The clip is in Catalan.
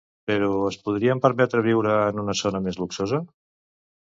Però, es podien permetre viure en una zona més luxosa?